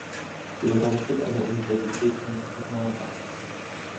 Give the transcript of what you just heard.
Sie unterrichtet an der Universität von Trnava.